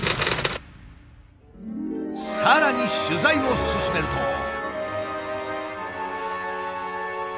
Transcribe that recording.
さらに取材を進めると。